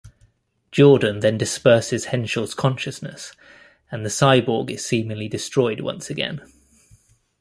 Jordan then disperses Henshaw's consciousness, and the Cyborg is seemingly destroyed once again.